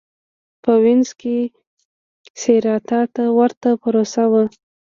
په وینز کې سېراتا ته ورته پروسه وه.